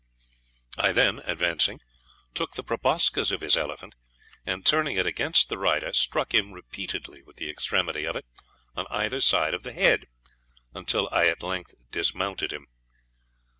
I then, advancing, took the proboscis of his elephant, and turning it against the rider, struck him repeatedly with the extremity of it on either side of the head, until I at length dismounted him.